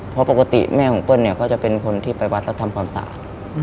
เพราะปกติแม่ของเปิ้ลเนี่ยเขาจะเป็นคนที่ไปวัดแล้วทำความสะอาด